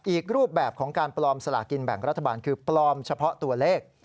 อีกรูปแบบของการปลอมสลากินแบ่งรัฐบาลคือปลอมเฉพาะตัวเลข